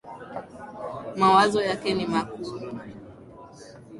Mawazo yake ni makuu.